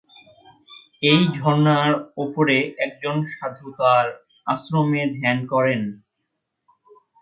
এই ঝর্ণার ওপরে একজন সাধু তার আশ্রমে ধ্যান করেন।